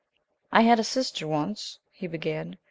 "I had a sister once," he began.